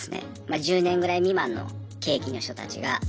１０年ぐらい未満の刑期の人たちが入ってる。